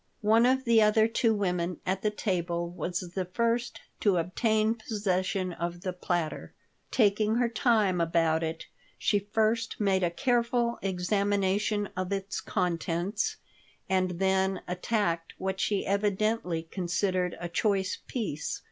One of the other two women at the table was the first to obtain possession of the platter. Taking her time about it, she first made a careful examination of its contents and then attacked what she evidently considered a choice piece.